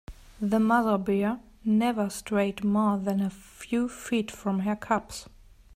The mother bear never strayed more than a few feet from her cubs.